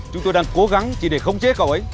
chúng tôi đang cố gắng chỉ để khống chế cậu ấy